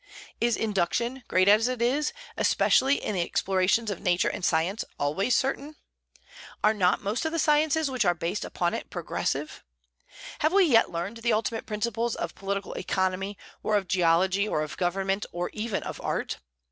Is induction, great as it is, especially in the explorations of Nature and science, always certain? Are not most of the sciences which are based upon it progressive? Have we yet learned the ultimate principles of political economy, or of geology, or of government, or even of art?